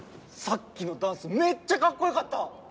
さっきのダンスめっちゃカッコ良かった！